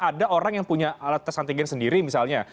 ada orang yang punya alat tes antigen sendiri misalnya